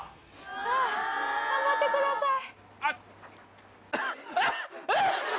あぁ頑張ってください。